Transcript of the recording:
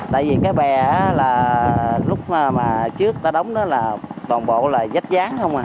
tại vì cái bè là lúc mà trước ta đóng đó là toàn bộ là gách dáng không à